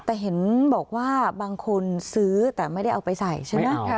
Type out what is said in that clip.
แต่เห็นบอกว่าบางคนซื้อแต่ไม่ได้เอาไปใส่ใช่ไหม